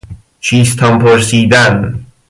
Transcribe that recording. چیستان پرسیدن